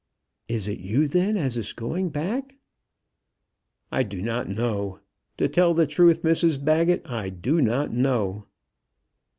"Is it you, then, as is going back?" "I do not know. To tell the truth, Mrs Baggett, I do not know."